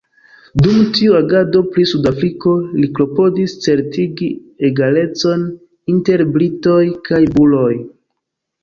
Dum tiu agado pri Sudafriko, li klopodis certigi egalecon inter Britoj kaj Buroj.